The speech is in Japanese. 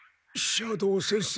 斜堂先生！